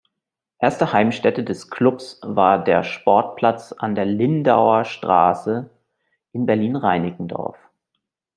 Erste Heimstätte des Clubs war der "Sportplatz an der Lindauer Straße" in Berlin-Reinickendorf.